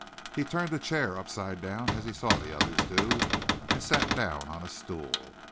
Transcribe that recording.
He turned a chair upside down as he saw the others do, and sat down on a stool.